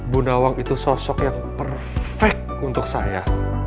bu nawang itu sosok yang perfect untuk saya